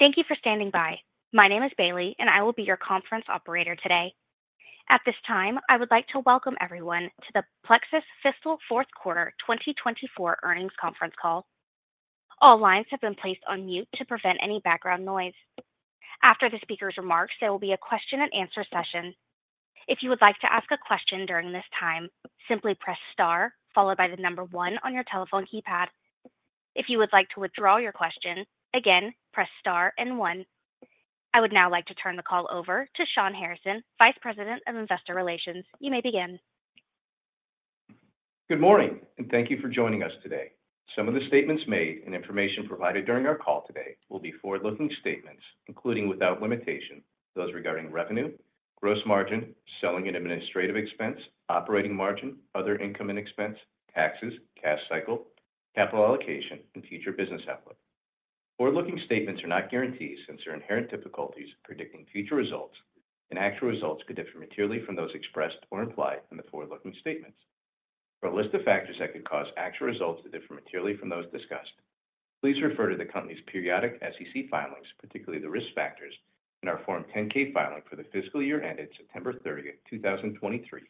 Thank you for standing by. My name is Bailey, and I will be your conference operator today. At this time, I would like to welcome everyone to the Plexus fiscal fourth quarter 2024 earnings conference call. All lines have been placed on mute to prevent any background noise. After the speaker's remarks, there will be a question-and-answer session. If you would like to ask a question during this time, simply press star followed by the number one on your telephone keypad. If you would like to withdraw your question, again, press star and one. I would now like to turn the call over to Shawn Harrison, Vice President of Investor Relations. You may begin. Good morning, and thank you for joining us today. Some of the statements made and information provided during our call today will be forward-looking statements, including, without limitation, those regarding revenue, gross margin, selling and administrative expense, operating margin, other income and expense, taxes, cash cycle, capital allocation, and future business outlook. Forward-looking statements are not guarantees, since there are inherent difficulties in predicting future results, and actual results could differ materially from those expressed or implied in the forward-looking statements. For a list of factors that could cause actual results to differ materially from those discussed, please refer to the company's periodic SEC filings, particularly the risk factors in our Form 10-K filing for the fiscal year ended September thirtieth, 2023,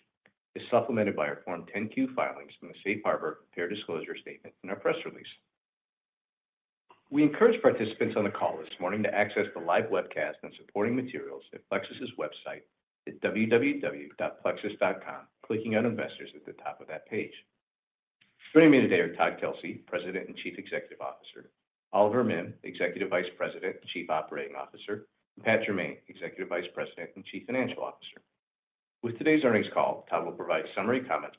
as supplemented by our Form 10-Q filings in the Safe Harbor Fair Disclosure Statement in our press release. We encourage participants on the call this morning to access the live webcast and supporting materials at Plexus's website at www.plexus.com, clicking on Investors at the top of that page. Joining me today are Todd Kelsey, President and Chief Executive Officer, Oliver Mihm, Executive Vice President and Chief Operating Officer, and Pat Jermain, Executive Vice President and Chief Financial Officer. With today's earnings call, Todd will provide summary comments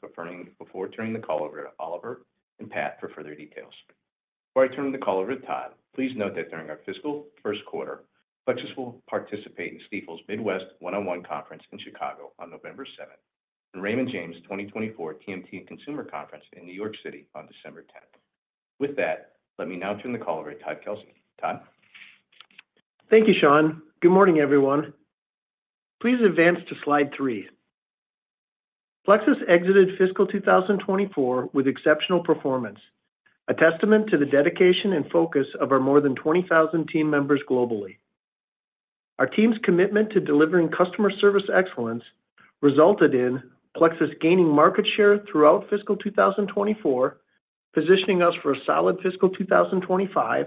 before turning the call over to Oliver and Pat for further details. Before I turn the call over to Todd, please note that during our fiscal first quarter, Plexus will participate in Stifel's Midwest One-on-One Conference Raymond James's 2024 TMT & Consumer Conference in New York City on December 10th. With that, let me now turn the call over to Todd Kelsey. Todd? Thank you, Shawn. Good morning, everyone. Please advance to slide 3. Plexus exited fiscal 2024 with exceptional performance, a testament to the dedication and focus of our more than 20,000 team members globally. Our team's commitment to delivering customer service excellence resulted in Plexus gaining market share throughout fiscal 2024, positioning us for a solid fiscal 2025,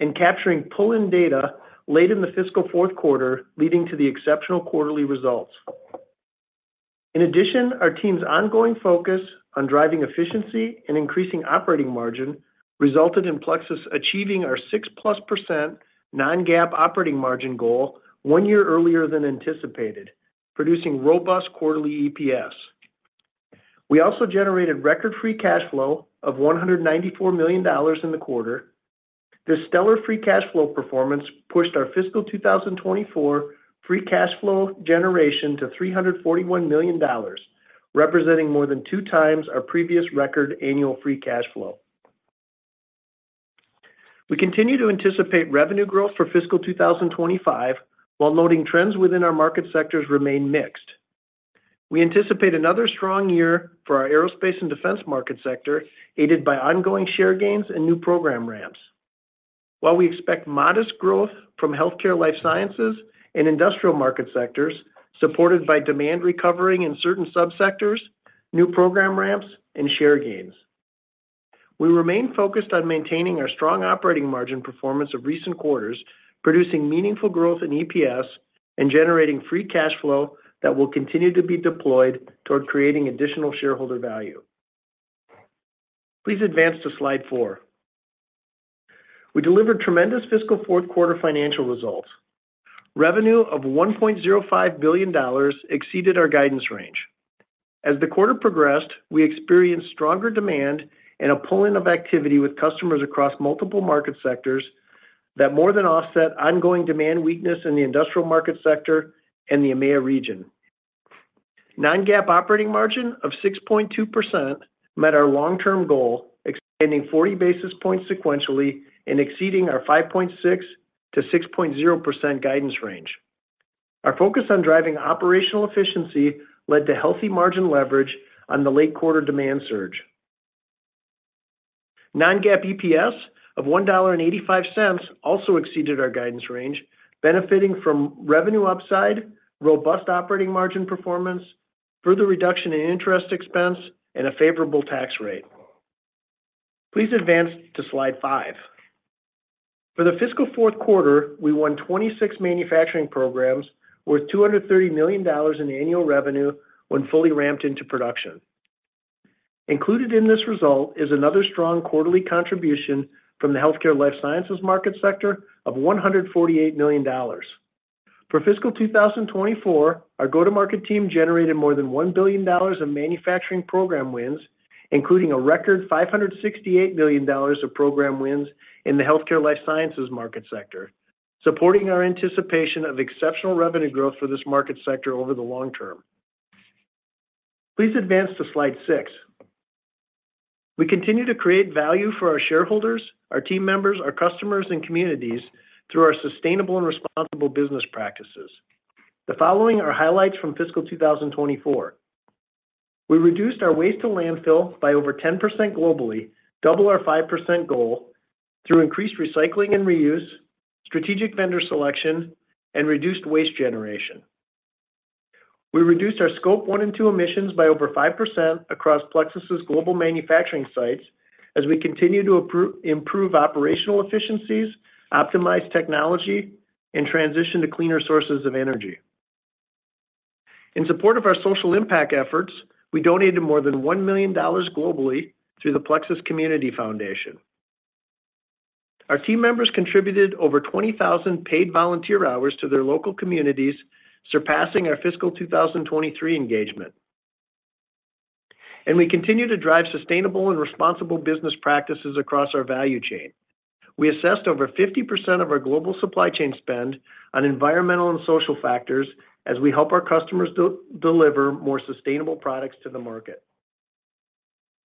and capturing pull-in data late in the fiscal fourth quarter, leading to the exceptional quarterly results. In addition, our team's ongoing focus on driving efficiency and increasing operating margin resulted in Plexus achieving our 6%+ Non-GAAP operating margin goal one year earlier than anticipated, producing robust quarterly EPS. We also generated record free cash flow of $194 million in the quarter. This stellar free cash flow performance pushed our fiscal 2024 free cash flow generation to $341 million, representing more than two times our previous record annual free cash flow. We continue to anticipate revenue growth for fiscal 2025, while noting trends within our market sectors remain mixed. We anticipate another strong year for our aerospace and defense market sector, aided by ongoing share gains and new program ramps. While we expect modest growth from healthcare life sciences and industrial market sectors, supported by demand recovering in certain subsectors, new program ramps, and share gains. We remain focused on maintaining our strong operating margin performance of recent quarters, producing meaningful growth in EPS and generating free cash flow that will continue to be deployed toward creating additional shareholder value. Please advance to slide four. We delivered tremendous fiscal fourth quarter financial results. Revenue of $1.05 billion exceeded our guidance range. As the quarter progressed, we experienced stronger demand and a pull-in of activity with customers across multiple market sectors that more than offset ongoing demand weakness in the industrial market sector and the EMEA region. Non-GAAP operating margin of 6.2% met our long-term goal, expanding forty basis points sequentially and exceeding our 5.6%-6.0% guidance range. Our focus on driving operational efficiency led to healthy margin leverage on the late quarter demand surge. Non-GAAP EPS of $1.85 also exceeded our guidance range, benefiting from revenue upside, robust operating margin performance, further reduction in interest expense, and a favorable tax rate. Please advance to slide five. For the fiscal fourth quarter, we won 26 manufacturing programs worth $230 million in annual revenue when fully ramped into production. Included in this result is another strong quarterly contribution from the healthcare life sciences market sector of $148 million. For fiscal 2024, our go-to-market team generated more than $1 billion of manufacturing program wins, including a record $568 million of program wins in the healthcare life sciences market sector, supporting our anticipation of exceptional revenue growth for this market sector over the long term. Please advance to slide 6. We continue to create value for our shareholders, our team members, our customers, and communities through our sustainable and responsible business practices. The following are highlights from fiscal 2024. We reduced our waste to landfill by over 10% globally, double our 5% goal, through increased recycling and reuse, strategic vendor selection, and reduced waste generation. We reduced our Scope 1 and 2 emissions by over 5% across Plexus's global manufacturing sites as we continue to improve operational efficiencies, optimize technology, and transition to cleaner sources of energy. In support of our social impact efforts, we donated more than $1 million globally through the Plexus Community Foundation. Our team members contributed over 20,000 paid volunteer hours to their local communities, surpassing our fiscal 2023 engagement. We continue to drive sustainable and responsible business practices across our value chain. We assessed over 50% of our global supply chain spend on environmental and social factors as we help our customers deliver more sustainable products to the market.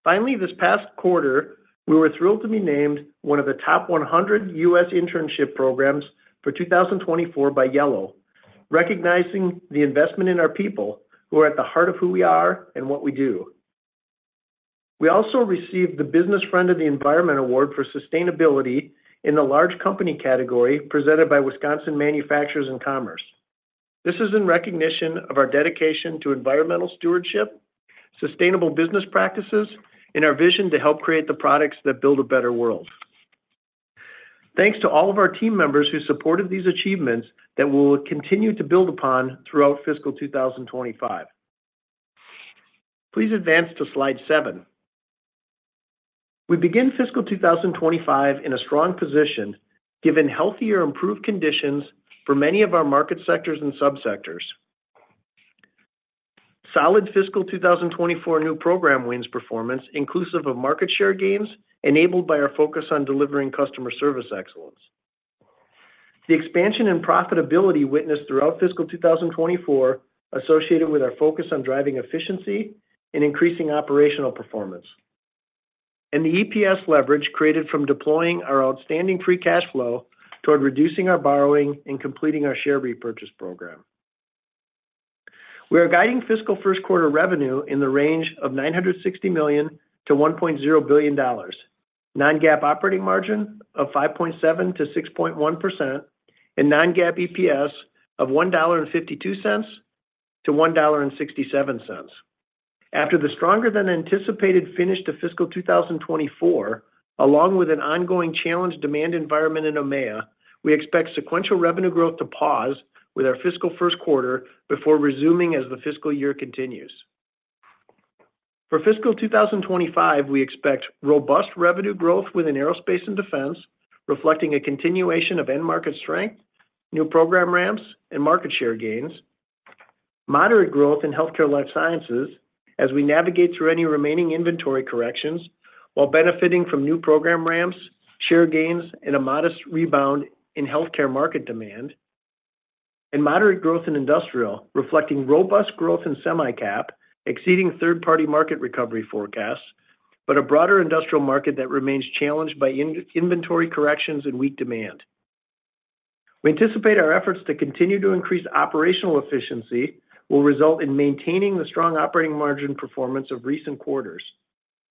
Finally, this past quarter, we were thrilled to be named one of the Top 100 U.S. Internship Programs for 2024 by Yello, recognizing the investment in our people, who are at the heart of who we are and what we do. We also received the Business Friend of the Environment Award for Sustainability in the large company category, presented by Wisconsin Manufacturers & Commerce. This is in recognition of our dedication to environmental stewardship, sustainable business practices, and our vision to help create the products that build a better world. Thanks to all of our team members who supported these achievements that we'll continue to build upon throughout fiscal 2025. Please advance to Slide seven. We begin fiscal 2025 in a strong position, given healthier, improved conditions for many of our market sectors and subsectors. Solid fiscal 2024 new program wins performance, inclusive of market share gains, enabled by our focus on delivering customer service excellence. The expansion in profitability witnessed throughout fiscal 2024, associated with our focus on driving efficiency and increasing operational performance, and the EPS leverage created from deploying our outstanding free cash flow toward reducing our borrowing and completing our share repurchase program. We are guiding fiscal first quarter revenue in the range of $960 million-$1.0 billion, Non-GAAP operating margin of 5.7%-6.1%, and Non-GAAP EPS of $1.52-$1.67. After the stronger than anticipated finish to fiscal 2024, along with an ongoing challenged demand environment in EMEA, we expect sequential revenue growth to pause with our fiscal first quarter before resuming as the fiscal year continues. For fiscal 2025, we expect robust revenue growth within aerospace and defense, reflecting a continuation of end market strength, new program ramps, and market share gains. Moderate growth in healthcare life sciences as we navigate through any remaining inventory corrections, while benefiting from new program ramps, share gains, and a modest rebound in healthcare market demand, and moderate growth in industrial, reflecting robust growth in semi-cap, exceeding third-party market recovery forecasts, but a broader industrial market that remains challenged by inventory corrections and weak demand. We anticipate our efforts to continue to increase operational efficiency will result in maintaining the strong operating margin performance of recent quarters,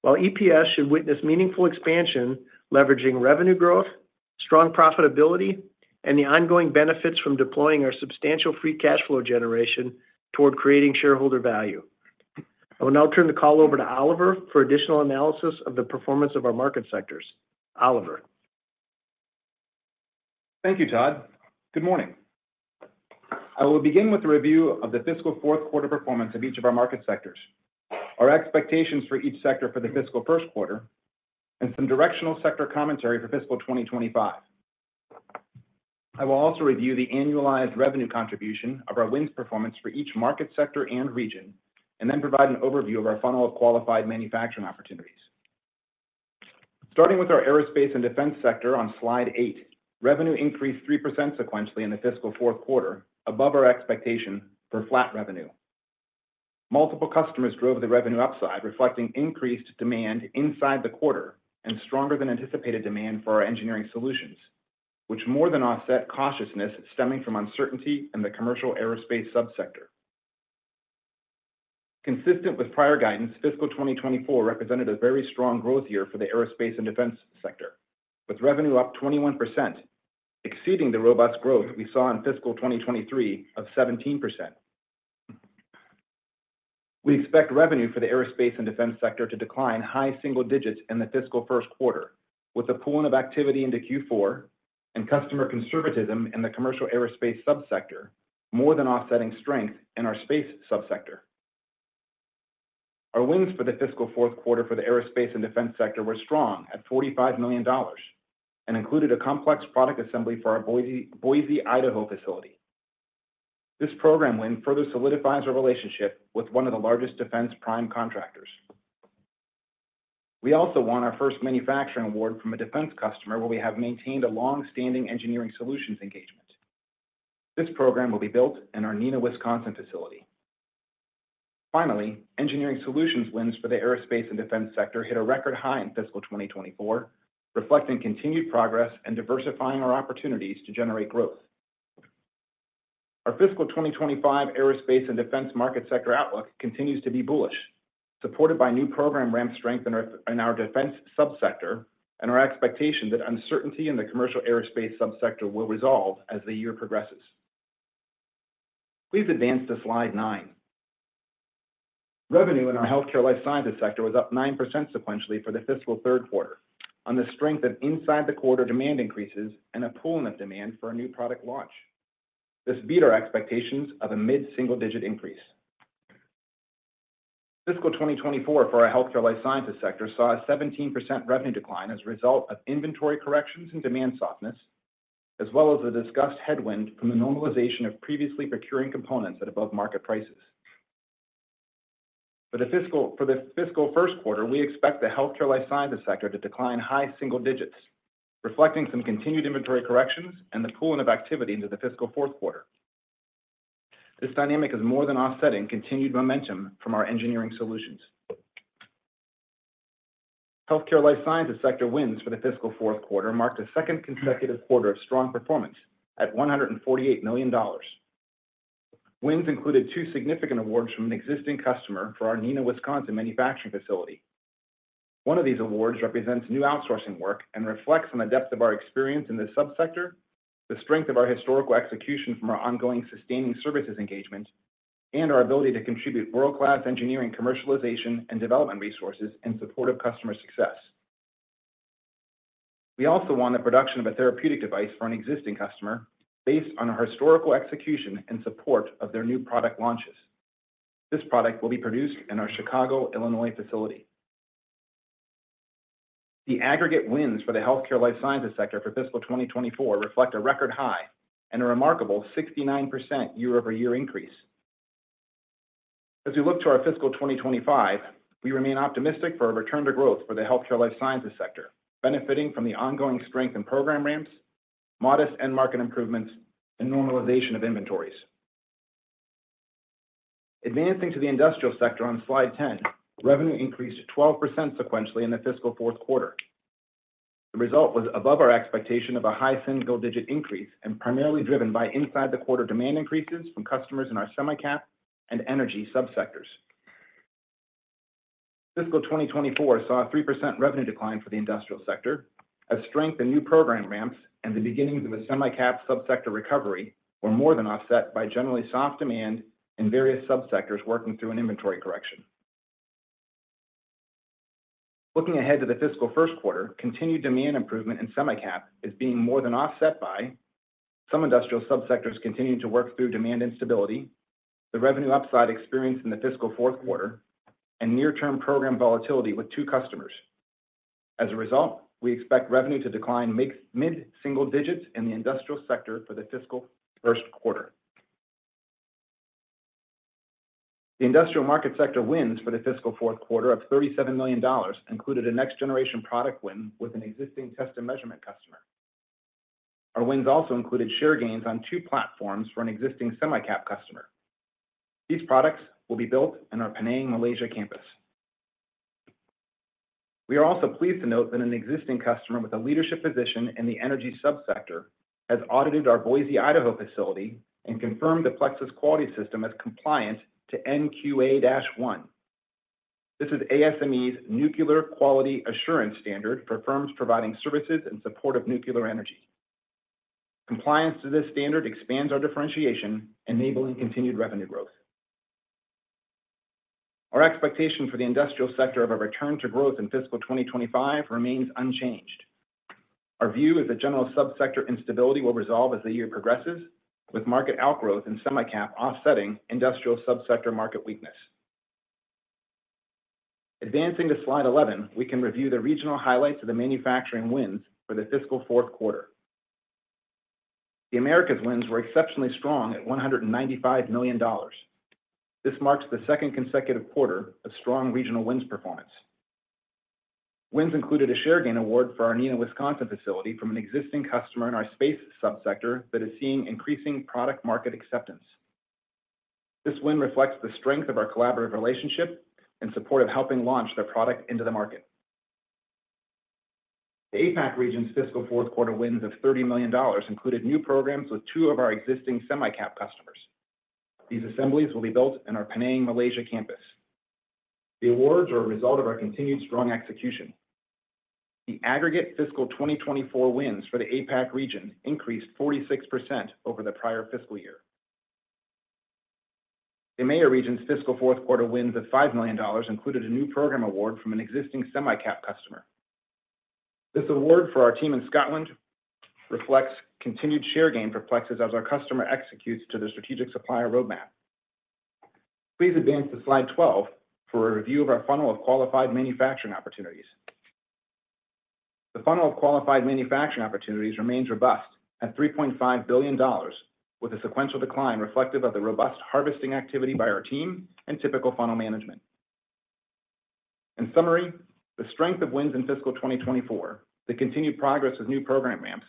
while EPS should witness meaningful expansion, leveraging revenue growth, strong profitability, and the ongoing benefits from deploying our substantial free cash flow generation toward creating shareholder value. I will now turn the call over to Oliver for additional analysis of the performance of our market sectors. Oliver? Thank you, Todd. Good morning. I will begin with a review of the fiscal fourth quarter performance of each of our market sectors, our expectations for each sector for the fiscal first quarter, and some directional sector commentary for fiscal 2025. I will also review the annualized revenue contribution of our wins performance for each market sector and region, and then provide an overview of our funnel of qualified manufacturing opportunities. Starting with our aerospace and defense sector on Slide eight, revenue increased 3% sequentially in the fiscal fourth quarter, above our expectation for flat revenue. Multiple customers drove the revenue upside, reflecting increased demand inside the quarter and stronger than anticipated demand for our engineering solutions, which more than offset cautiousness stemming from uncertainty in the commercial aerospace subsector. Consistent with prior guidance, fiscal 2024 represented a very strong growth year for the aerospace and defense sector, with revenue up 21%, exceeding the robust growth we saw in fiscal 2023 of 17%. We expect revenue for the aerospace and defense sector to decline high single digits in the fiscal first quarter, with a pull-in of activity into Q4 and customer conservatism in the commercial aerospace subsector more than offsetting strength in our space subsector. Our wins for the fiscal fourth quarter for the aerospace and defense sector were strong at $45 million and included a complex product assembly for our Boise, Idaho facility. This program win further solidifies our relationship with one of the largest defense prime contractors. We also won our first manufacturing award from a defense customer, where we have maintained a long-standing engineering solutions engagement. This program will be built in our Neenah, Wisconsin facility. Finally, engineering solutions wins for the aerospace and defense sector hit a record high in fiscal 2024, reflecting continued progress in diversifying our opportunities to generate growth. Our fiscal 2025 aerospace and defense market sector outlook continues to be bullish, supported by new program ramp strength in our defense subsector, and our expectation that uncertainty in the commercial aerospace subsector will resolve as the year progresses. Please advance to slide 9. Revenue in our healthcare life sciences sector was up 9% sequentially for the fiscal third quarter, on the strength of in the quarter demand increases and a pull of demand for a new product launch. This beat our expectations of a mid-single-digit increase. Fiscal 2024 for our healthcare life sciences sector saw a 17% revenue decline as a result of inventory corrections and demand softness, as well as the discussed headwind from the normalization of previously procuring components at above-market prices. For the fiscal first quarter, we expect the healthcare life sciences sector to decline high single digits, reflecting some continued inventory corrections and the pool of activity into the fiscal fourth quarter. This dynamic is more than offsetting continued momentum from our engineering solutions. Healthcare life sciences sector wins for the fiscal fourth quarter marked a second consecutive quarter of strong performance at $148 million. Wins included two significant awards from an existing customer for our Neenah, Wisconsin, manufacturing facility. One of these awards represents new outsourcing work and reflects on the depth of our experience in this subsector, the strength of our historical execution from our ongoing sustaining services engagement, and our ability to contribute world-class engineering, commercialization, and development resources in support of customer success. We also won the production of a therapeutic device for an existing customer based on our historical execution and support of their new product launches. This product will be produced in our Chicago, Illinois, facility. The aggregate wins for the healthcare life sciences sector for fiscal 2024 reflect a record high and a remarkable 69% year-over-year increase. As we look to our fiscal 2025, we remain optimistic for a return to growth for the healthcare life sciences sector, benefiting from the ongoing strength in program ramps, modest end market improvements, and normalization of inventories. Advancing to the industrial sector on slide 10, revenue increased 12% sequentially in the fiscal fourth quarter. The result was above our expectation of a high single-digit increase and primarily driven by inside the quarter demand increases from customers in our semi-cap and energy subsectors. Fiscal 2024 saw a 3% revenue decline for the industrial sector as strength and new program ramps, and the beginnings of a semi-cap subsector recovery were more than offset by generally soft demand in various subsectors working through an inventory correction. Looking ahead to the fiscal first quarter, continued demand improvement in semi-cap is being more than offset by some industrial subsectors continuing to work through demand instability, the revenue upside experienced in the fiscal fourth quarter, and near-term program volatility with two customers. As a result, we expect revenue to decline mid-single digits in the industrial sector for the fiscal first quarter. The industrial market sector wins for the fiscal fourth quarter of $37 million included a next-generation product win with an existing test and measurement customer. Our wins also included share gains on two platforms for an existing semi-cap customer. These products will be built in our Penang, Malaysia, campus. We are also pleased to note that an existing customer with a leadership position in the energy subsector has audited our Boise, Idaho, facility and confirmed the Plexus quality system as compliant to NQA-1. This is ASME's Nuclear Quality Assurance Standard for firms providing services in support of nuclear energy. Compliance to this standard expands our differentiation, enabling continued revenue growth. Our expectation for the industrial sector of a return to growth in fiscal 2025 remains unchanged. Our view is the general subsector instability will resolve as the year progresses, with market outgrowth in semi-cap offsetting industrial subsector market weakness. Advancing to slide 11, we can review the regional highlights of the manufacturing wins for the fiscal fourth quarter. The Americas wins were exceptionally strong at $195 million. This marks the second consecutive quarter of strong regional wins performance. Wins included a share gain award for our Neenah, Wisconsin, facility from an existing customer in our space subsector that is seeing increasing product market acceptance. This win reflects the strength of our collaborative relationship in support of helping launch their product into the market. The APAC region's fiscal fourth quarter wins of $30 million included new programs with two of our existing semi-cap customers. These assemblies will be built in our Penang, Malaysia, campus. The awards are a result of our continued strong execution. The aggregate fiscal 2024 wins for the APAC region increased 46% over the prior fiscal year. The EMEA region's fiscal fourth quarter wins of $5 million included a new program award from an existing semi-cap customer. This award for our team in Scotland reflects continued share gain for Plexus as our customer executes to the strategic supplier roadmap. Please advance to slide 12 for a review of our funnel of qualified manufacturing opportunities. The funnel of qualified manufacturing opportunities remains robust at $3.5 billion, with a sequential decline reflective of the robust harvesting activity by our team and typical funnel management. In summary, the strength of wins in fiscal 2024, the continued progress of new program ramps,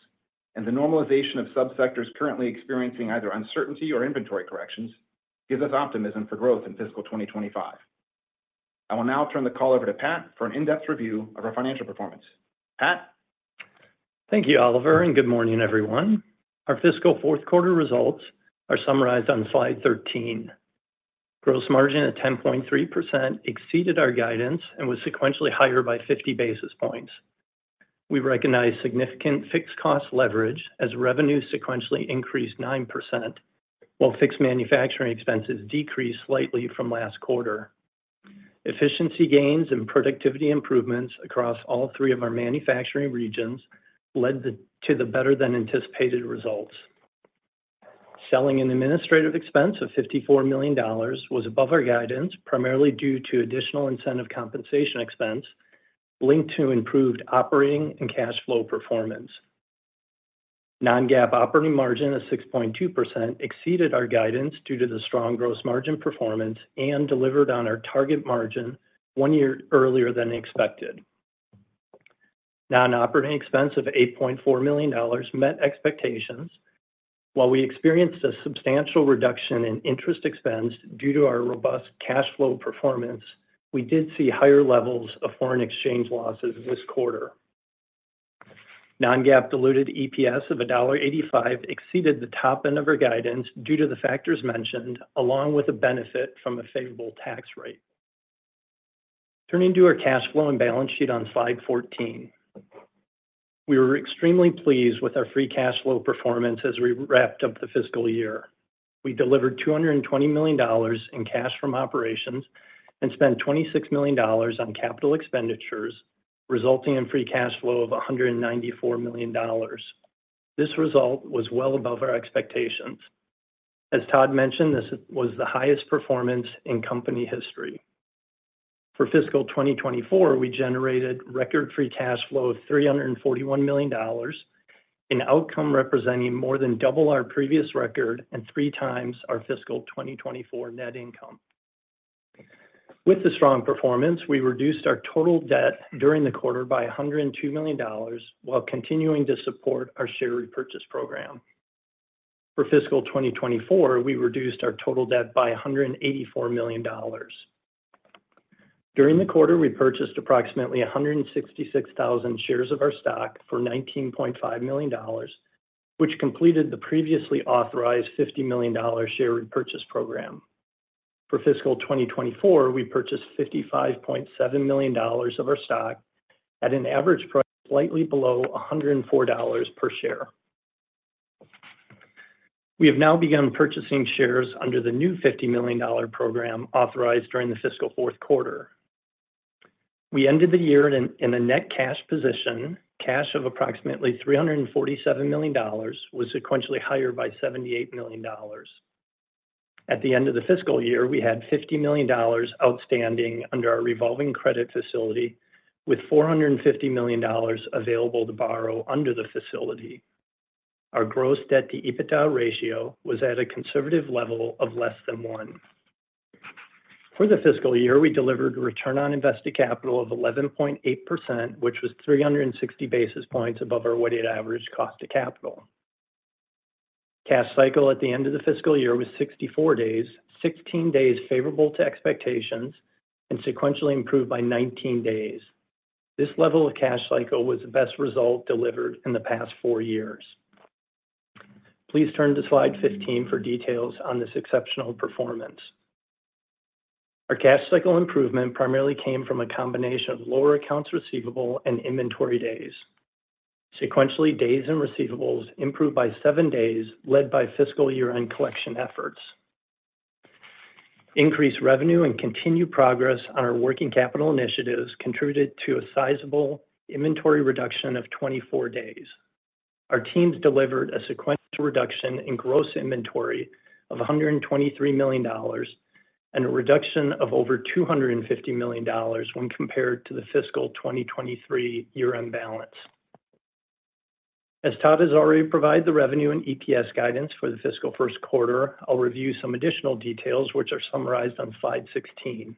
and the normalization of subsectors currently experiencing either uncertainty or inventory corrections, gives us optimism for growth in fiscal 2025. I will now turn the call over to Pat for an in-depth review of our financial performance. Pat? Thank you, Oliver, and good morning, everyone. Our fiscal fourth quarter results are summarized on slide 13. Gross margin at 10.3% exceeded our guidance and was sequentially higher by 50 basis points. We recognized significant fixed cost leverage as revenue sequentially increased 9%, while fixed manufacturing expenses decreased slightly from last quarter. Efficiency gains and productivity improvements across all three of our manufacturing regions led to the better-than-anticipated results. Selling and administrative expense of $54 million was above our guidance, primarily due to additional incentive compensation expense linked to improved operating and cash flow performance. Non-GAAP operating margin of 6.2% exceeded our guidance due to the strong gross margin performance and delivered on our target margin one year earlier than expected. Non-operating expense of $8.4 million met expectations. While we experienced a substantial reduction in interest expense due to our robust cash flow performance, we did see higher levels of foreign exchange losses this quarter. Non-GAAP diluted EPS of $1.85 exceeded the top end of our guidance due to the factors mentioned, along with the benefit from a favorable tax rate. Turning to our cash flow and balance sheet on slide 14. We were extremely pleased with our free cash flow performance as we wrapped up the fiscal year. We delivered $220 million in cash from operations and spent $26 million on capital expenditures, resulting in free cash flow of $194 million. This result was well above our expectations. As Todd mentioned, this was the highest performance in company history. For fiscal 2024, we generated record free cash flow of $341 million, an outcome representing more than double our previous record and three times our fiscal 2024 net income. With the strong performance, we reduced our total debt during the quarter by $102 million while continuing to support our share repurchase program. For fiscal 2024, we reduced our total debt by $184 million. During the quarter, we purchased approximately 166,000 shares of our stock for $19.5 million, which completed the previously authorized $50 million share repurchase program. For fiscal 2024, we purchased $55.7 million of our stock at an average price slightly below $104 per share. We have now begun purchasing shares under the new $50 million program authorized during the fiscal fourth quarter. We ended the year in a net cash position. Cash of approximately $347 million was sequentially higher by $78 million. At the end of the fiscal year, we had $50 million outstanding under our revolving credit facility, with $450 million available to borrow under the facility. Our gross debt to EBITDA ratio was at a conservative level of less than one. For the fiscal year, we delivered a return on invested capital of 11.8%, which was 360 basis points above our weighted average cost of capital. Cash cycle at the end of the fiscal year was 64 days, 16 days favorable to expectations, and sequentially improved by 19 days. This level of cash cycle was the best result delivered in the past four years. Please turn to slide 15 for details on this exceptional performance. Our cash cycle improvement primarily came from a combination of lower accounts receivable and inventory days. Sequentially, days and receivables improved by seven days, led by fiscal year-end collection efforts. Increased revenue and continued progress on our working capital initiatives contributed to a sizable inventory reduction of 24 days. Our teams delivered a sequential reduction in gross inventory of $123 million and a reduction of over $250 million when compared to the fiscal 2023 year-end balance. As Todd has already provided the revenue and EPS guidance for the fiscal first quarter, I'll review some additional details, which are summarized on slide 16.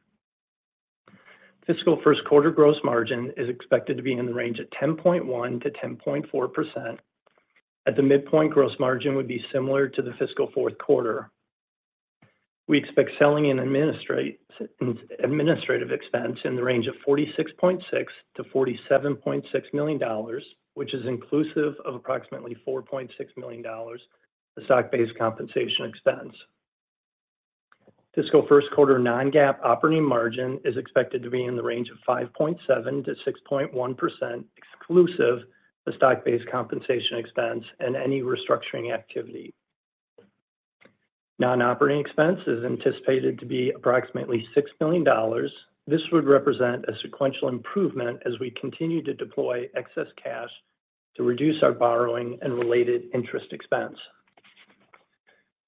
Fiscal first quarter gross margin is expected to be in the range of 10.1%-10.4%. At the midpoint, gross margin would be similar to the fiscal fourth quarter. We expect selling and administrative expense in the range of $46.6 million-$47.6 million, which is inclusive of approximately $4.6 million, the stock-based compensation expense. Fiscal first quarter Non-GAAP operating margin is expected to be in the range of 5.7%-6.1%, exclusive the stock-based compensation expense and any restructuring activity. Non-operating expense is anticipated to be approximately $6 million. This would represent a sequential improvement as we continue to deploy excess cash to reduce our borrowing and related interest expense.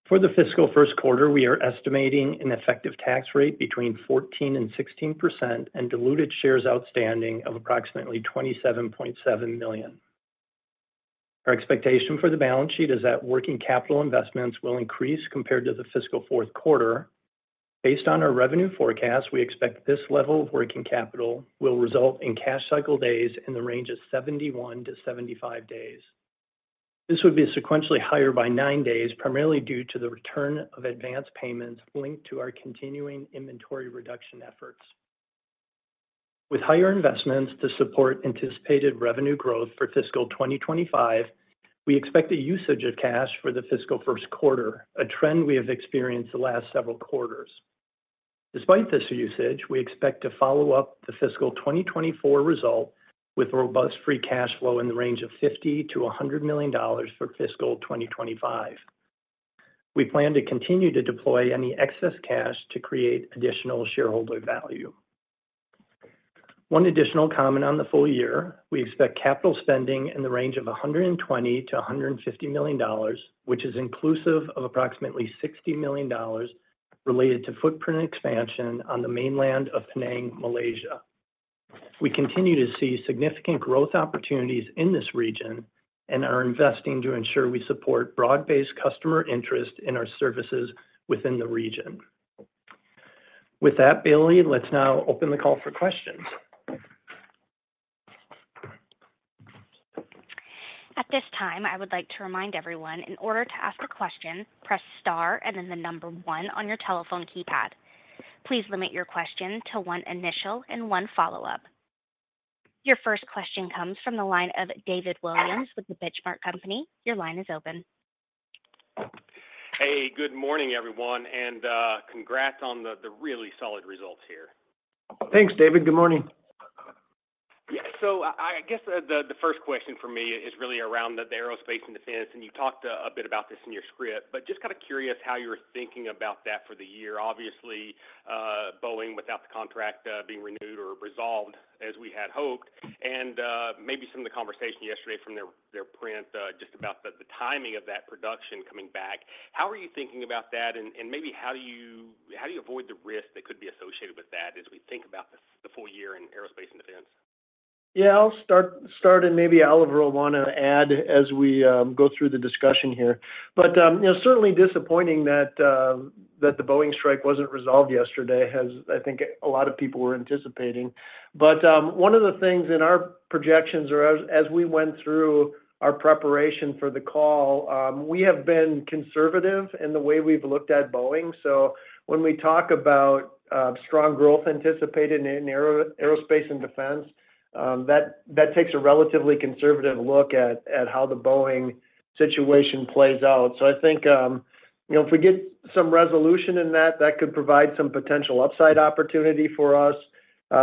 For the fiscal first quarter, we are estimating an effective tax rate between 14% and 16% and diluted shares outstanding of approximately 27.7 million. Our expectation for the balance sheet is that working capital investments will increase compared to the fiscal fourth quarter. Based on our revenue forecast, we expect this level of working capital will result in cash cycle days in the range of 71-75 days. This would be sequentially higher by nine days, primarily due to the return of advanced payments linked to our continuing inventory reduction efforts. With higher investments to support anticipated revenue growth for fiscal 2025, we expect a usage of cash for the fiscal first quarter, a trend we have experienced the last several quarters. Despite this usage, we expect to follow up the fiscal 2024 result with robust free cash flow in the range of $50 million-$100 million for fiscal 2025. We plan to continue to deploy any excess cash to create additional shareholder value. One additional comment on the full year, we expect capital spending in the range of $120 million-$150 million, which is inclusive of approximately $60 million related to footprint expansion on the mainland of Penang, Malaysia. We continue to see significant growth opportunities in this region and are investing to ensure we support broad-based customer interest in our services within the region. With that, Bailey, let's now open the call for questions. At this time, I would like to remind everyone, in order to ask a question, press Star and then the number one on your telephone keypad. Please limit your question to one initial and one follow-up. Your first question comes from the line of David Williams with The Benchmark Company. Your line is open. Hey, good morning, everyone, and congrats on the really solid results here. Thanks, David. Good morning. Yeah. So I guess the first question for me is really around the aerospace and defense, and you talked a bit about this in your script, but just kind of curious how you're thinking about that for the year. Obviously, Boeing, without the contract being renewed or resolved as we had hoped, and maybe some of the conversation yesterday from their print just about the timing of that production coming back. How are you thinking about that, and maybe how do you avoid the risk that could be associated with that as we think about the full year in aerospace and defense? Yeah, I'll start, and maybe Oliver will wanna add as we go through the discussion here. But, you know, certainly disappointing that the Boeing strike wasn't resolved yesterday, as I think a lot of people were anticipating. But, one of the things in our projections, or as we went through our preparation for the call, we have been conservative in the way we've looked at Boeing. So when we talk about strong growth anticipated in aerospace and defense, that takes a relatively conservative look at how the Boeing situation plays out. So I think, you know, if we get some resolution in that, that could provide some potential upside opportunity for us.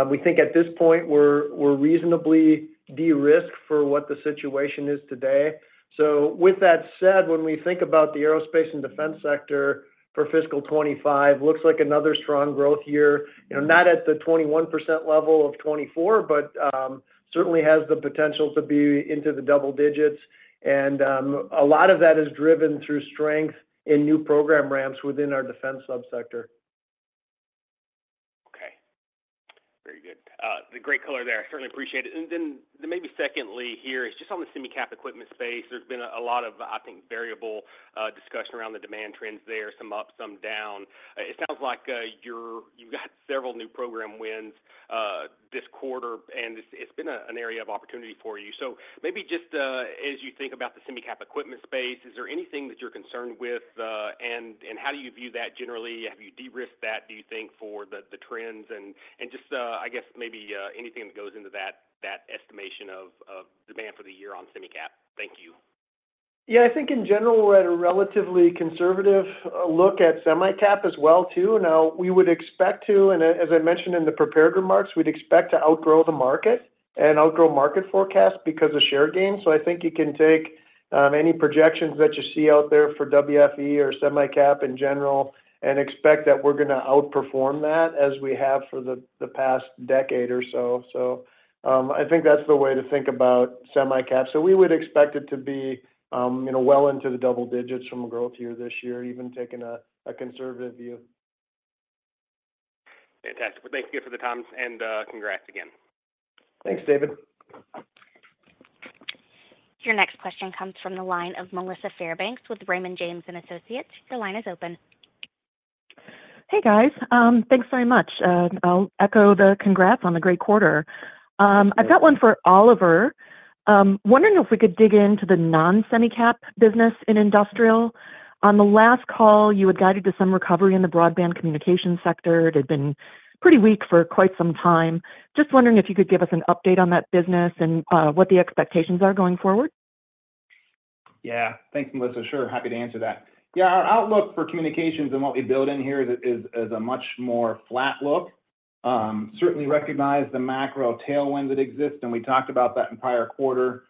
We think at this point we're reasonably de-risked for what the situation is today. So with that said, when we think about the aerospace and defense sector for fiscal 2025, looks like another strong growth year. You know, not at the 21% level of 2024, but, certainly has the potential to be into the double digits, and, a lot of that is driven through strength in new program ramps within our defense subsector. Okay. Very good. The great color there, I certainly appreciate it. And then maybe secondly here is just on the semi-cap equipment space. There's been a lot of, I think, variable, discussion around the demand trends there, some up, some down. It sounds like, you've got several new program wins, this quarter, and it's, it's been an area of opportunity for you. So maybe just, as you think about the semi-cap equipment space, is there anything that you're concerned with? And how do you view that generally? Have you de-risked that, do you think, for the trends? And just, I guess maybe, anything that goes into that estimation of demand for the year on semi-cap. Thank you. Yeah, I think in general, we're at a relatively conservative look at semi-cap as well, too. Now, we would expect to, and as I mentioned in the prepared remarks, we'd expect to outgrow the market and outgrow market forecasts because of share gains. So I think you can take any projections that you see out there for WFE or semi-cap in general and expect that we're gonna outperform that as we have for the past decade or so. So I think that's the way to think about semi-cap. So we would expect it to be, you know, well into the double digits from a growth year this year, even taking a conservative view. Fantastic. Well, thank you for the times, and, congrats again. Thanks, David. Your next question comes from the line of Melissa Fairbanks with Raymond James & Associates. Your line is open. Hey, guys. Thanks very much. I'll echo the congrats on the great quarter. I've got one for Oliver. Wondering if we could dig into the non-semi-cap business in industrial. On the last call, you had guided to some recovery in the broadband communication sector. It had been pretty weak for quite some time. Just wondering if you could give us an update on that business and what the expectations are going forward. Yeah. Thanks, Melissa. Sure. Happy to answer that. Yeah, our outlook for communications and what we build in here is a much more flat look. Certainly recognize the macro tailwinds that exist, and we talked about that in prior quarter.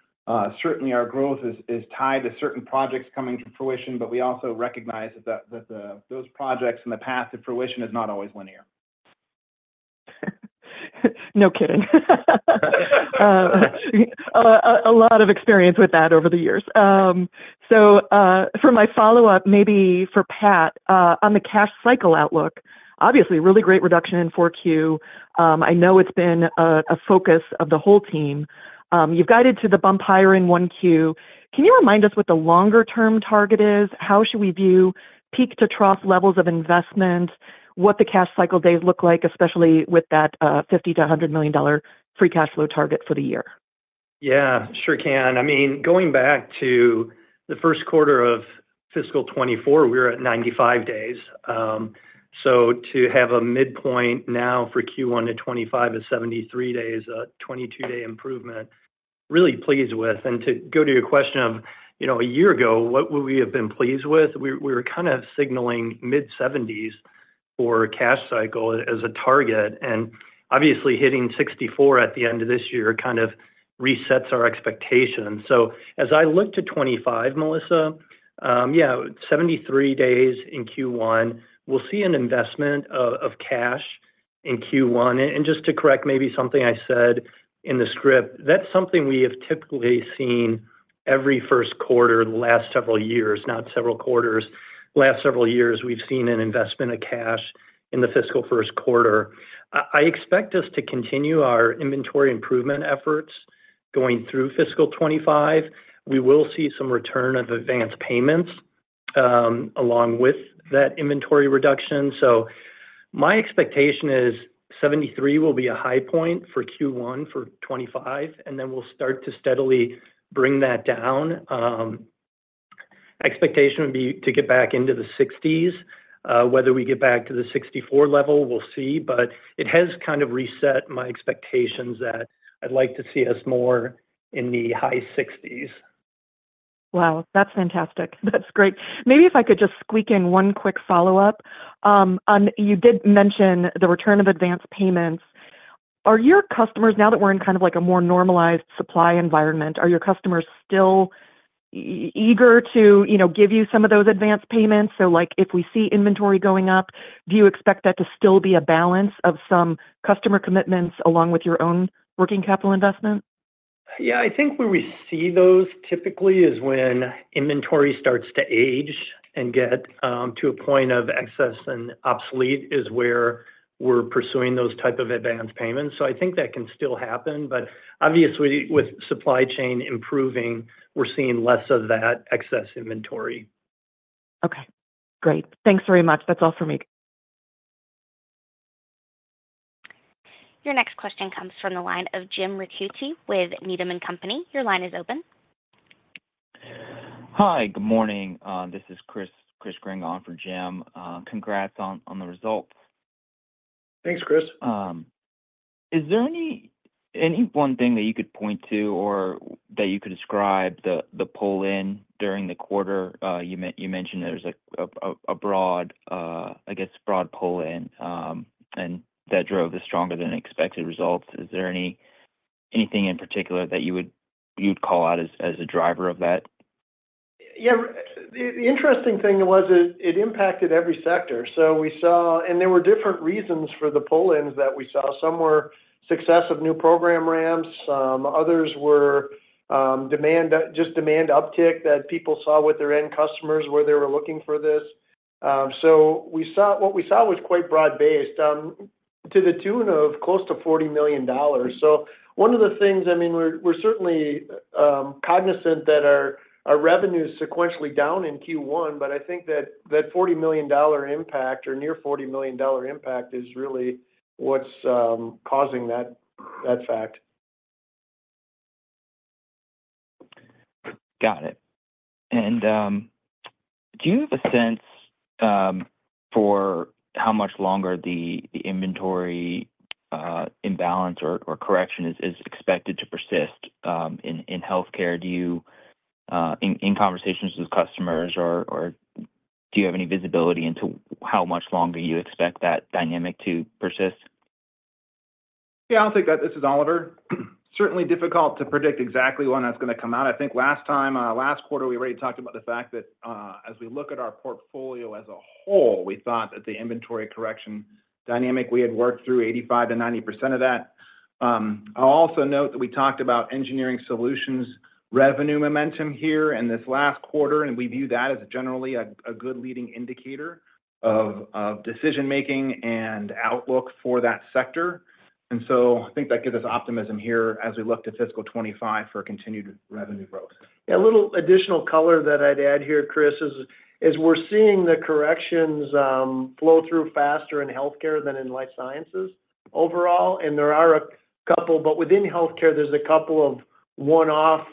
Certainly, our growth is tied to certain projects coming to fruition, but we also recognize that those projects in the path to fruition is not always linear. No kidding. A lot of experience with that over the years, so for my follow-up, maybe for Pat, on the cash cycle outlook, obviously, a really great reduction in 4Q. I know it's been a focus of the whole team. You've guided to the bump higher in 1Q. Can you remind us what the longer-term target is? How should we view peak-to-trough levels of investment, what the cash cycle days look like, especially with that $50 million-$100 million free cash flow target for the year?... Yeah, sure can. I mean, going back to the first quarter of fiscal 2024, we were at 95 days. So to have a midpoint now for Q1 2025 is 73 days, a 22-day improvement, really pleased with. And to go to your question of, you know, a year ago, what would we have been pleased with? We were kind of signaling mid-70s for a cash cycle as a target, and obviously hitting 64 at the end of this year kind of resets our expectations. So as I look to 2025, Melissa, yeah, 73 days in Q1, we'll see an investment of cash in Q1. And just to correct maybe something I said in the script, that's something we have typically seen every first quarter the last several years, not several quarters. Last several years, we've seen an investment of cash in the fiscal first quarter. I expect us to continue our inventory improvement efforts going through fiscal 2025. We will see some return of advanced payments, along with that inventory reduction. So my expectation is 73 will be a high point for Q1 for 2025, and then we'll start to steadily bring that down. Expectation would be to get back into the 60s. Whether we get back to the 64 level, we'll see, but it has kind of reset my expectations that I'd like to see us more in the high 60s. Wow, that's fantastic. That's great. Maybe if I could just squeak in one quick follow-up. You did mention the return of advanced payments. Are your customers, now that we're in kind of like a more normalized supply environment, are your customers still eager to, you know, give you some of those advanced payments? So, like, if we see inventory going up, do you expect that to still be a balance of some customer commitments along with your own working capital investment? Yeah, I think where we see those typically is when inventory starts to age and get to a point of excess and obsolete, is where we're pursuing those type of advanced payments. So I think that can still happen, but obviously, with supply chain improving, we're seeing less of that excess inventory. Okay, great. Thanks very much. That's all for me. Your next question comes from the line of Jim Ricchiuti with Needham & Company. Your line is open. Hi, good morning. This is Chris, Chris Grenga for Jim Ricchiuti. Congrats on the results. Thanks, Chris. Is there any one thing that you could point to or that you could describe the pull-in during the quarter? You mentioned there was a broad pull-in, I guess, and that drove the stronger than expected results. Is there anything in particular that you would you'd call out as a driver of that? Yeah. The interesting thing was it impacted every sector. So we saw. And there were different reasons for the pull-ins that we saw. Some were success of new program ramps, others were demand uptick that people saw with their end customers, where they were looking for this. So we saw what we saw was quite broad-based, to the tune of close to $40 million. So one of the things, I mean, we're certainly cognizant that our revenue is sequentially down in Q1, but I think that $40 million impact or near $40 million impact is really what's causing that fact. Got it, and do you have a sense for how much longer the inventory imbalance or correction is expected to persist in healthcare? Do you... In conversations with customers or do you have any visibility into how much longer you expect that dynamic to persist? Yeah, I'll take that. This is Oliver. Certainly difficult to predict exactly when that's gonna come out. I think last time, last quarter, we already talked about the fact that, as we look at our portfolio as a whole, we thought that the inventory correction dynamic, we had worked through 85%-90% of that. I'll also note that we talked about engineering solutions, revenue momentum here in this last quarter, and we view that as generally a good leading indicator of decision making and outlook for that sector. And so I think that gives us optimism here as we look to fiscal 2025 for continued revenue growth. Yeah, a little additional color that I'd add here, Chris, is we're seeing the corrections flow through faster in healthcare than in life sciences overall, and there are a couple, but within healthcare, there's a couple of one-off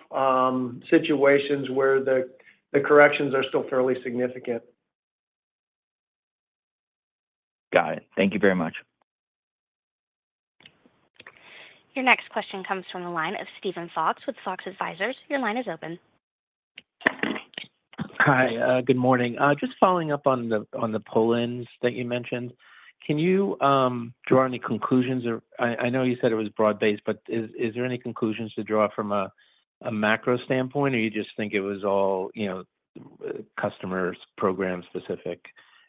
situations where the corrections are still fairly significant. Got it. Thank you very much. Your next question comes from the line of Steven Fox with Fox Advisors. Your line is open. Hi. Good morning. Just following up on the pull-ins that you mentioned, can you draw any conclusions or... I know you said it was broad-based, but is there any conclusions to draw from a macro standpoint, or you just think it was all, you know, customer-program specific?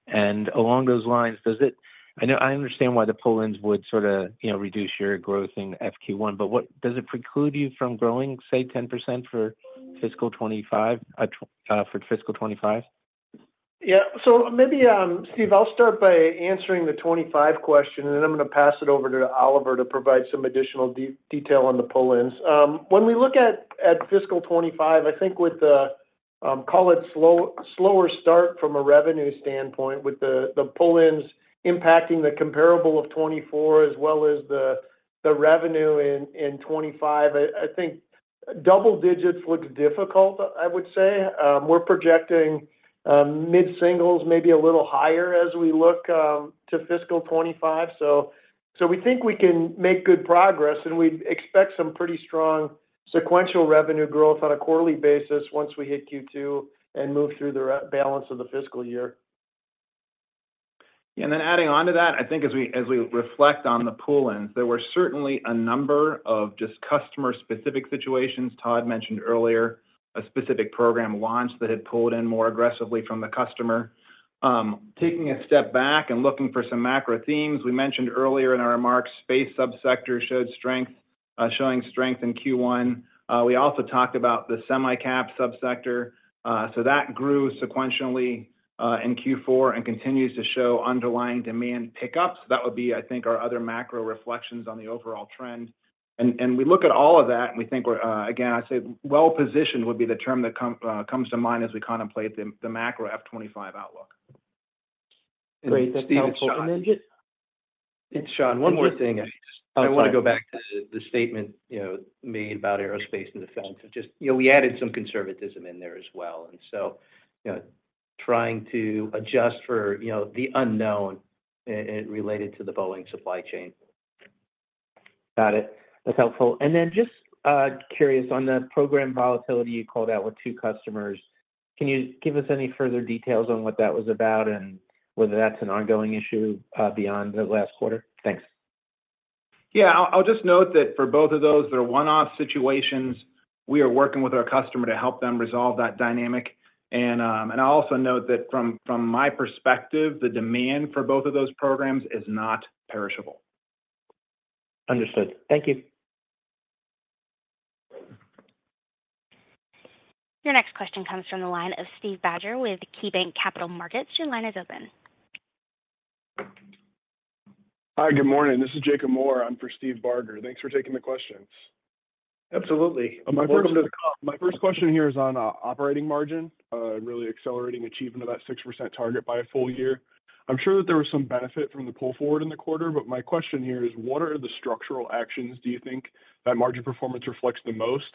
And along those lines, does it? I know, I understand why the pull-ins would sort of, you know, reduce your growth in FY Q1, but what does it preclude you from growing, say, 10% for fiscal 2025? Yeah. So maybe, Steve, I'll start by answering the 2025 question, and then I'm gonna pass it over to Oliver to provide some additional detail on the pull-ins. When we look at fiscal 2025, I think with the slower start from a revenue standpoint, with the pull-ins impacting the comparable of 2024 as well as the revenue in 2025. I think double digits looks difficult, I would say. We're projecting mid-singles, maybe a little higher as we look to fiscal 2025. So we think we can make good progress, and we expect some pretty strong sequential revenue growth on a quarterly basis once we hit Q2 and move through the rebalance of the fiscal year. And then adding on to that, I think as we reflect on the pull-ins, there were certainly a number of just customer-specific situations. Todd mentioned earlier, a specific program launch that had pulled in more aggressively from the customer. Taking a step back and looking for some macro themes, we mentioned earlier in our remarks, space subsector showed strength, showing strength in Q1. We also talked about the semi-cap subsector. So that grew sequentially, in Q4 and continues to show underlying demand pick ups. That would be, I think, our other macro reflections on the overall trend. And we look at all of that, and we think we're, again, I'd say well-positioned would be the term that comes to mind as we contemplate the macro FY 2025 outlook. Great. That's helpful. And then just- And Shawn, one more thing. Oh, sorry. I want to go back to the statement, you know, made about aerospace and defense. Just, you know, we added some conservatism in there as well, and so, you know, trying to adjust for, you know, the unknown issues related to the Boeing supply chain. Got it. That's helpful. And then just curious, on the program volatility you called out with two customers, can you give us any further details on what that was about and whether that's an ongoing issue, beyond the last quarter? Thanks. Yeah, I'll just note that for both of those, they're one-off situations. We are working with our customer to help them resolve that dynamic. And, and I'll also note that from my perspective, the demand for both of those programs is not perishable. Understood. Thank you. Your next question comes from the line of Steve Barger with KeyBanc Capital Markets. Your line is open. Hi, good morning. This is Jacob Moore. I'm for Steve Barger. Thanks for taking the questions. Absolutely. Welcome to the call. My first question here is on operating margin, really accelerating achievement of that 6% target by a full year. I'm sure that there was some benefit from the pull forward in the quarter, but my question here is: What are the structural actions do you think that margin performance reflects the most?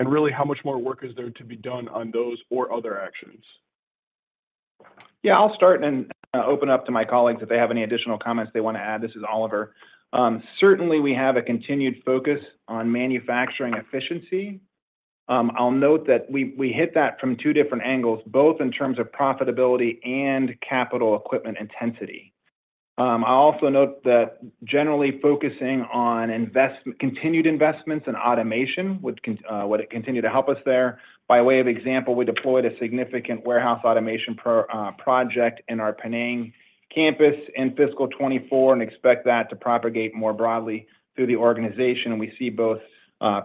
And really, how much more work is there to be done on those or other actions? Yeah, I'll start and open up to my colleagues if they have any additional comments they want to add. This is Oliver. Certainly, we have a continued focus on manufacturing efficiency. I'll note that we hit that from two different angles, both in terms of profitability and capital equipment intensity. I'll also note that generally focusing on continued investments in automation would continue to help us there. By way of example, we deployed a significant warehouse automation project in our Penang campus in fiscal 2024 and expect that to propagate more broadly through the organization, and we see both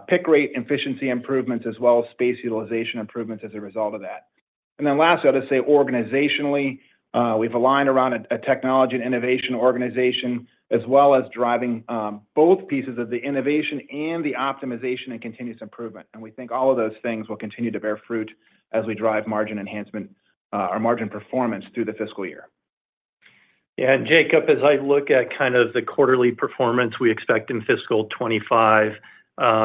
pick rate efficiency improvements as well as space utilization improvements as a result of that. And then lastly, I'd just say organizationally, we've aligned around a technology and innovation organization, as well as driving both pieces of the innovation and the optimization and continuous improvement. We think all of those things will continue to bear fruit as we drive margin enhancement, or margin performance through the fiscal year. Yeah, Jacob, as I look at kind of the quarterly performance we expect in fiscal 2025,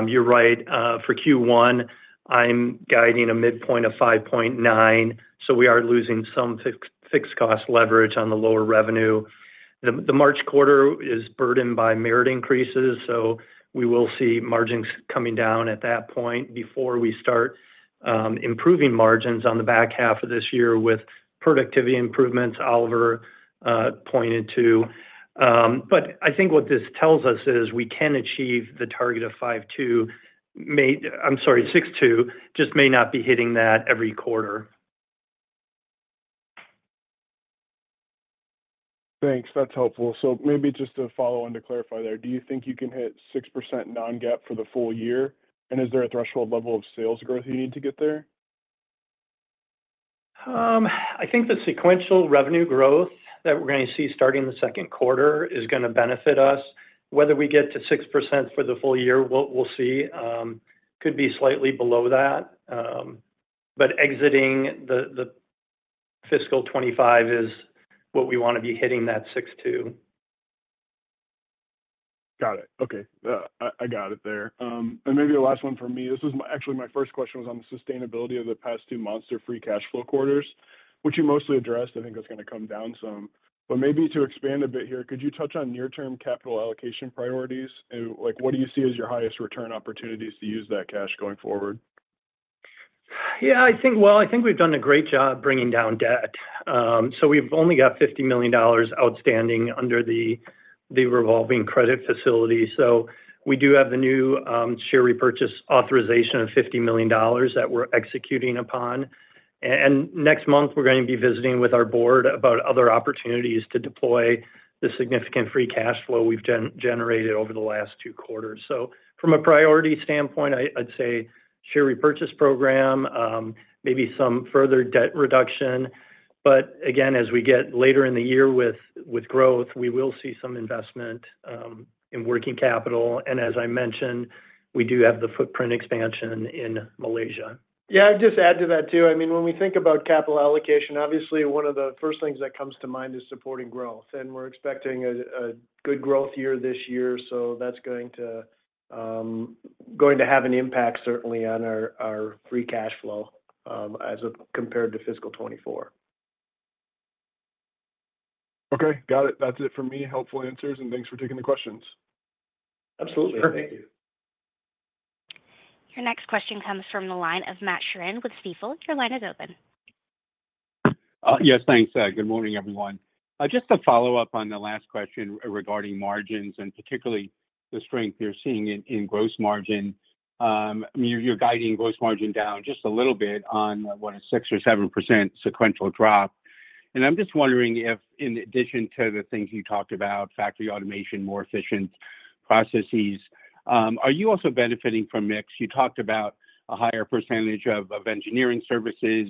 you're right. For Q1, I'm guiding a midpoint of five point nine, so we are losing some fixed cost leverage on the lower revenue. The March quarter is burdened by merit increases, so we will see margins coming down at that point before we start improving margins on the back half of this year with productivity improvements Oliver pointed to. But I think what this tells us is we can achieve the target of five two may... I'm sorry, six two, just may not be hitting that every quarter. Thanks. That's helpful. So maybe just to follow on to clarify there: Do you think you can hit 6% Non-GAAP for the full year? And is there a threshold level of sales growth you need to get there? I think the sequential revenue growth that we're going to see starting the second quarter is going to benefit us. Whether we get to 6% for the full year, we'll see. Could be slightly below that, but exiting the fiscal 2025 is what we want to be hitting that 6.2. Got it. Okay. I got it there, and maybe the last one for me. Actually, my first question was on the sustainability of the past two monster free cash flow quarters, which you mostly addressed. I think it's going to come down some, but maybe to expand a bit here, could you touch on near-term capital allocation priorities? Like, what do you see as your highest return opportunities to use that cash going forward? Yeah, I think, well, I think we've done a great job bringing down debt. So we've only got $50 million outstanding under the revolving credit facility. So we do have the new share repurchase authorization of $50 million that we're executing upon. And next month, we're going to be visiting with our board about other opportunities to deploy the significant free cash flow we've generated over the last two quarters. So from a priority standpoint, I'd say share repurchase program, maybe some further debt reduction.... But again, as we get later in the year with growth, we will see some investment in working capital, and as I mentioned, we do have the footprint expansion in Malaysia. Yeah, I'd just add to that, too. I mean, when we think about capital allocation, obviously, one of the first things that comes to mind is supporting growth, and we're expecting a good growth year this year, so that's going to have an impact, certainly, on our free cash flow, as it compared to fiscal 2024. Okay, got it. That's it for me. Helpful answers, and thanks for taking the questions. Absolutely. Perfect. Your next question comes from the line of Matt Sheerin with Stifel. Your line is open. Yes, thanks. Good morning, everyone. Just to follow up on the last question regarding margins and particularly the strength you're seeing in gross margin. You're guiding gross margin down just a little bit on a 6% or 7% sequential drop. And I'm just wondering if in addition to the things you talked about, factory automation, more efficient processes, are you also benefiting from mix? You talked about a higher percentage of engineering services.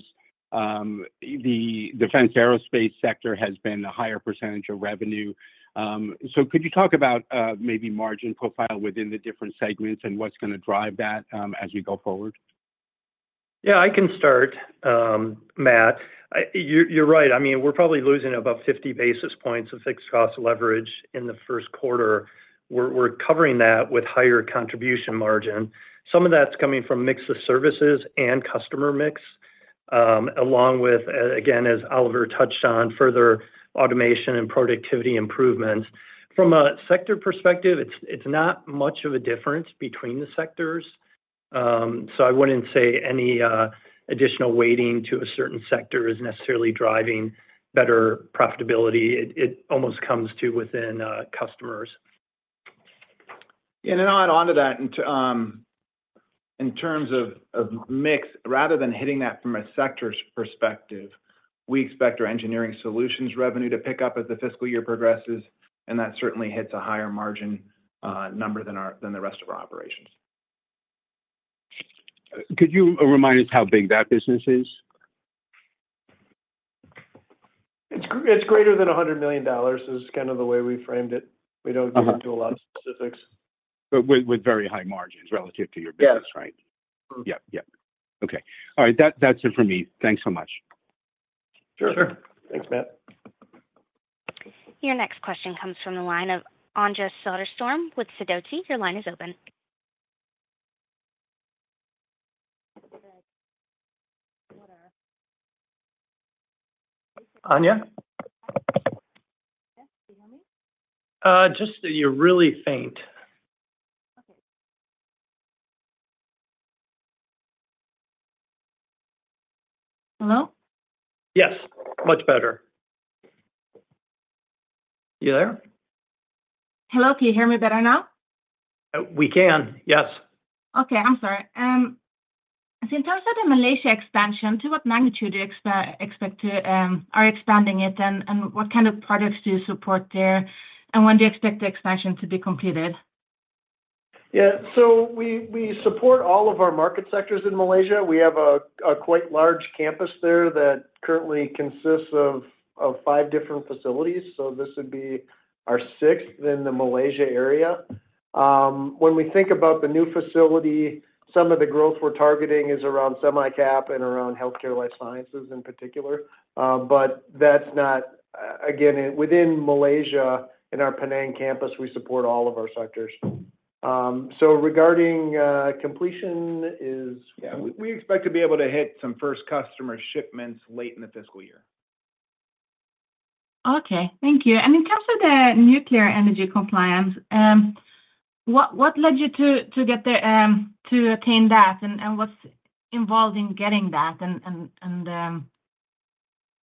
The defense aerospace sector has been a higher percentage of revenue. So could you talk about maybe margin profile within the different segments and what's gonna drive that as you go forward? Yeah, I can start, Matt. You're right. I mean, we're probably losing about fifty basis points of fixed cost leverage in the first quarter. We're covering that with higher contribution margin. Some of that's coming from mix of services and customer mix, along with, again, as Oliver touched on, further automation and productivity improvements. From a sector perspective, it's not much of a difference between the sectors. So I wouldn't say any additional weighting to a certain sector is necessarily driving better profitability. It almost comes to within customers. And to add on to that, in terms of mix, rather than hitting that from a sector's perspective, we expect our engineering solutions revenue to pick up as the fiscal year progresses, and that certainly hits a higher margin number than the rest of our operations. Could you remind us how big that business is? It's greater than $100 million, is kind of the way we framed it. Uh. We don't get into a lot of specifics. But with very high margins relative to your business- Yes... right? Yep. Yep. Okay. All right, that, that's it for me. Thanks so much. Sure. Sure. Thanks, Matt. Your next question comes from the line of Anja Soderstrom with Sidoti. Your line is open. Anja? Yes, can you hear me? Just you're really faint. Okay. Hello? Yes, much better. You there? Hello, can you hear me better now? We can, yes. Okay, I'm sorry. So in terms of the Malaysia expansion, to what magnitude do you expect to are expanding it, and what kind of products do you support there, and when do you expect the expansion to be completed? Yeah. So we support all of our market sectors in Malaysia. We have a quite large campus there that currently consists of five different facilities, so this would be our sixth in the Malaysia area. When we think about the new facility, some of the growth we're targeting is around semi-cap and around healthcare life sciences in particular. But that's not, again, within Malaysia, in our Penang campus, we support all of our sectors. Yeah, we expect to be able to hit some first customer shipments late in the fiscal year. Okay. Thank you, and in terms of the nuclear energy compliance, what led you to attain that, and what's involved in getting that, and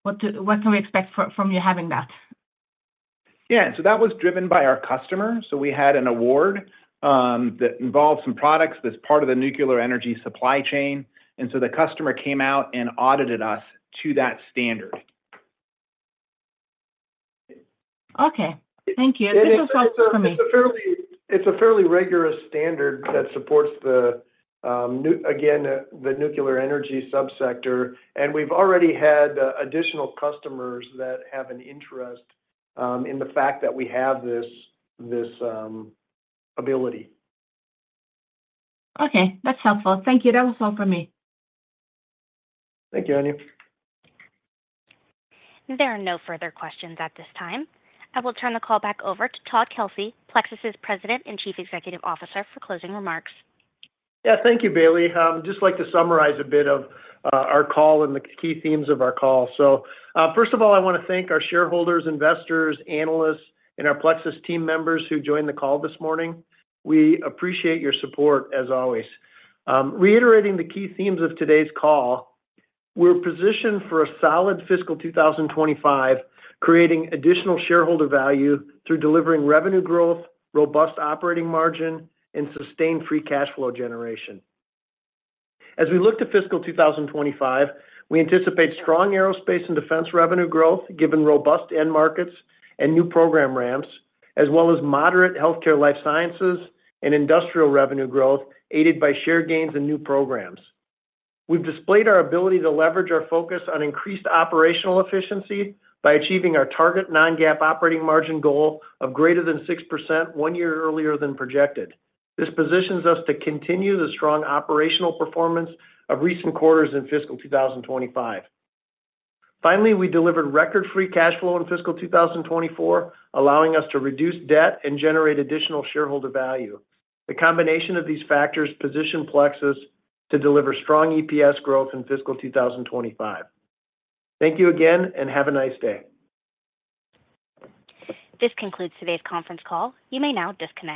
what can we expect from you having that? Yeah, so that was driven by our customer. So we had an award that involved some products that's part of the nuclear energy supply chain, and so the customer came out and audited us to that standard. Okay. Thank you. It is- This is all for me. It's a fairly rigorous standard that supports the nuclear energy subsector, and we've already had additional customers that have an interest in the fact that we have this ability. Okay. That's helpful. Thank you. That was all for me. Thank you, Anja. There are no further questions at this time. I will turn the call back over to Todd Kelsey, Plexus' President and Chief Executive Officer, for closing remarks. Yeah. Thank you, Bailey. Just like to summarize a bit of our call and the key themes of our call. First of all, I want to thank our shareholders, investors, analysts, and our Plexus team members who joined the call this morning. We appreciate your support, as always. Reiterating the key themes of today's call, we're positioned for a solid fiscal 2025, creating additional shareholder value through delivering revenue growth, robust operating margin, and sustained free cash flow generation. As we look to fiscal 2025, we anticipate strong aerospace and defense revenue growth, given robust end markets and new program ramps, as well as moderate healthcare life sciences and industrial revenue growth, aided by share gains and new programs. We've displayed our ability to leverage our focus on increased operational efficiency by achieving our target Non-GAAP operating margin goal of greater than 6% one year earlier than projected. This positions us to continue the strong operational performance of recent quarters in fiscal 2025. Finally, we delivered record free cash flow in fiscal 2024, allowing us to reduce debt and generate additional shareholder value. The combination of these factors position Plexus to deliver strong EPS growth in fiscal 2025. Thank you again, and have a nice day. This concludes today's conference call. You may now disconnect.